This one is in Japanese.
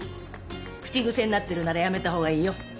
口癖になってるならやめた方がいいよ。